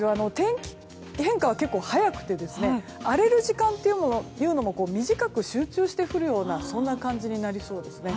変化は結構早くて荒れる時間というのも短く集中して降るような感じになりそうですね。